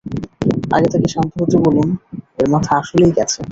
আগে তাকে শান্ত হতে বলুন - এর মাথা আসলেই গেছে!